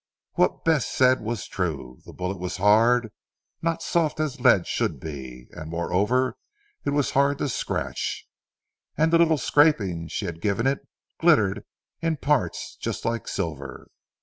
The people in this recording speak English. What Bess said was true. The bullet was hard, not soft as lead should be, and moreover it was hard to scratch, and the little scraping she had given it glittered in parts just like silver.